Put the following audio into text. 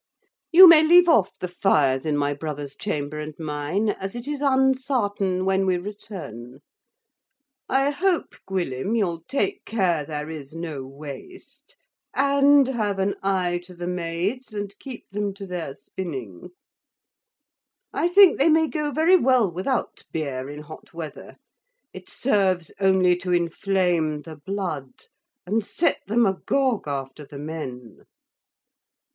You may leave off the fires in my brother's chamber and mine, as it is unsartain when we return. I hope, Gwyllim, you'll take care there is no waste; and have an eye to the maids, and keep them to their spinning. I think they may go very well without beer in hot weather it serves only to inflame the blood, and set them a gog after the men.